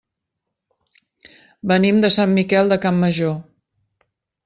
Venim de Sant Miquel de Campmajor.